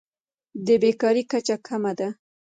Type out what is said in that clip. د بیکارۍ کچه کمه ده.